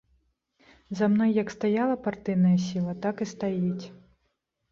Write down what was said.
За мной як стаяла партыйная сіла, так і стаіць.